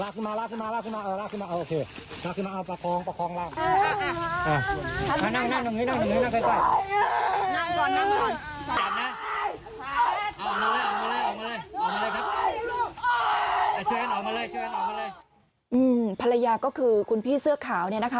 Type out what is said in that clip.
ภรรยาก็คือคุณพี่เสื้อขาวเนี่ยนะคะ